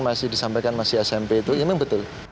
kemarin masih disampaikan mas smp itu ini memang betul